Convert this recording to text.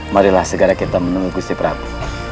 marilah segera kita menemuku si prabu